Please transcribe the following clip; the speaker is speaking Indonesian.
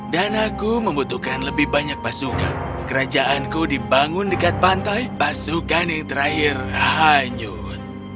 aku membutuhkan lebih banyak pasukan kerajaanku dibangun dekat pantai pasukan yang terakhir hanyut